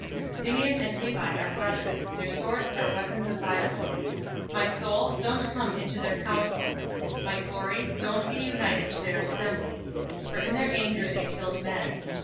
049:005 "Simeon and Levi are brothers. Their swords are weapons of violence. 049:006 My soul, don't come into their council. My glory, don't be united to their assembly; for in their anger they killed men.